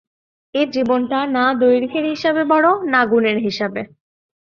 এ জীবনটা না দৈর্ঘ্যের হিসাবে বড়ো, না গুণের হিসাবে।